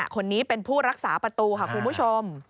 คนนี้เป็นผู้รักษาประตูค่ะคุณผู้ชม